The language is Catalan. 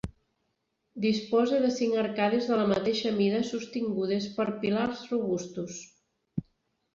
Disposa de cinc arcades de la mateixa mida sostingudes per pilars robustos.